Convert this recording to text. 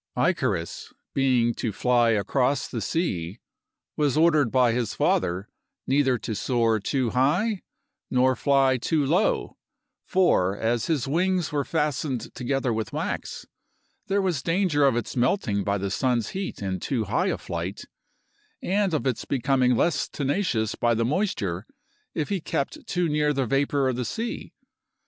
Icarus, being to fly across the sea, was ordered by his father neither to soar too high nor fly too low, for, as his wings were fastened together with wax, there was danger of its melting by the sun's heat in too high a flight, and of its becoming less tenacious by the moisture if he kept too near the vapor of the sea.